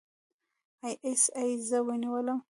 اى ايس اى زه ونیولم.